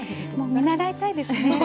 もう見習いたいですね。